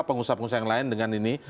pengusaha pengusaha yang lain dengan ini